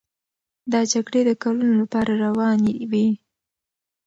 دا جګړې د کلونو لپاره روانې وې.